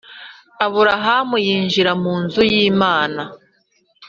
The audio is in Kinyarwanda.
aburahamu yinjira munzu yimana